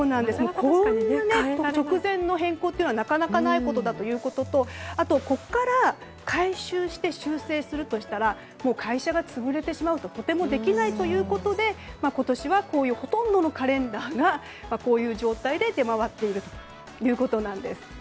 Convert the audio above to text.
こんな直前の変更はなかなかないことだということとあと、ここから回収して修正するとしたら会社が潰れてしまうととてもできないということで今年はほとんどのカレンダーがこういう状態で出回っているということなんです。